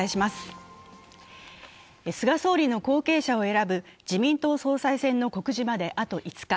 菅総理の後継者を選ぶ自民党総裁選の告示まであと５日。